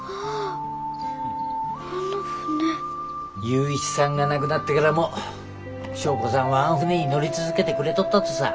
雄一さんが亡くなってからも祥子さんはあん船に乗り続けてくれとったとさ。